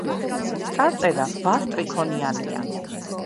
წარწერა რვა სტრიქონიანია.